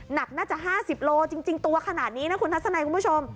หนักน่าจะ๕๐โลจริงตัวขนาดนี้นะคุณทัศนัยคุณผู้ชม